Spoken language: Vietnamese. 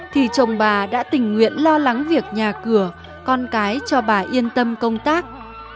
thì chồng bà đã tình nguyện lo lắng việc nhà cửa con cái cho bà yên tâm công tác